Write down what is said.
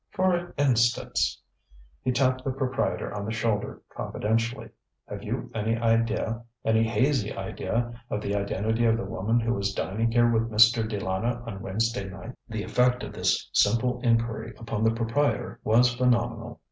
For instanceŌĆØ he tapped the proprietor on the shoulder confidentially ŌĆ£have you any idea, any hazy idea, of the identity of the woman who was dining here with Mr. De Lana on Wednesday night? ŌĆØ The effect of this simple inquiry upon the proprietor was phenomenal.